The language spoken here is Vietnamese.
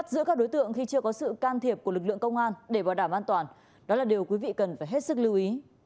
quý vị cần phải hết sức lưu ý